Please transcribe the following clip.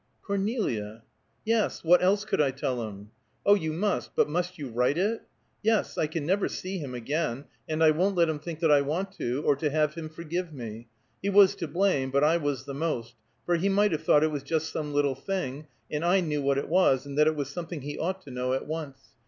"Cornelia!" "Yes; what else could I tell him?" "Oh, you must! But must you write it?" "Yes; I never can see him again, and I won't let him think that I want to, or to have him forgive me. He was to blame, but I was the most, for he might have thought it was just some little thing, and I knew what it was, and that it was something he ought to know at once.